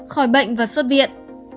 khỏi bệnh và xuất viện